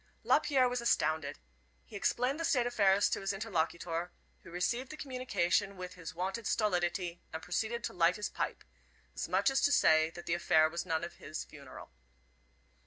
Lapierre was astounded. He explained the state of affairs to his interlocuter, who received the communication with his wonted stolidity, and proceeded to light his pipe, as much as to say that the affair was none of his funeral.